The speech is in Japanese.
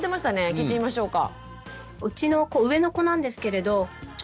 聞いてみましょうか。